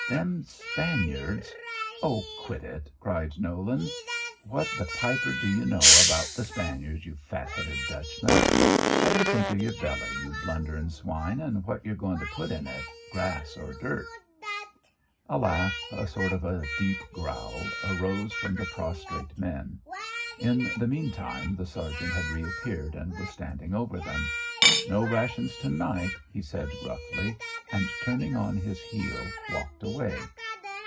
"Them Spaniards " "Oh, quit it," cried Nolan. "What th' piper do you know about th' Spaniards, you fat headed Dutchman? Better think of your belly, you blunderin' swine, an' what you're goin' to put in it, grass or dirt." A laugh, a sort of a deep growl, arose from the prostrate men. In the meantime the sergeant had reappeared and was standing over them. "No rations to night," he said gruffly, and turning on his heel, walked away.